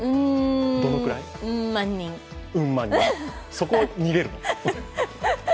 そこは逃げるの？